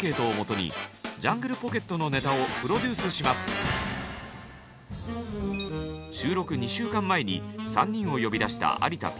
続いては収録２週間前に３人を呼び出した有田Ｐ。